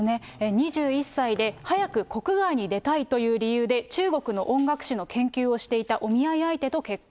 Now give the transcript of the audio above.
２１歳で早く国外に出たいという理由で、中国の音楽史の研究をしていたお見合い相手と結婚。